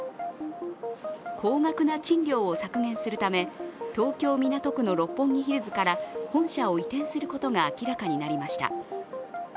高額な賃料を削減するため、東京・港区の六本木ヒルズから本社を移転することが明らかになりました。